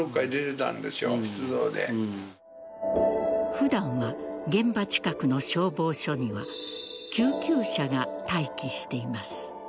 普段は現場近くの消防署には救急車が待機しています。